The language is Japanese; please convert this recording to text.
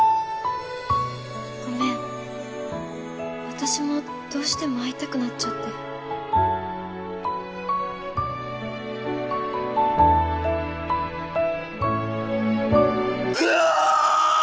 私もどうしても会いたくなっちゃってぐぉー‼